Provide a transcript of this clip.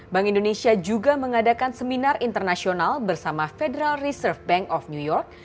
bank indonesia juga mengadakan seminar internasional bersama federal reserve bank of new york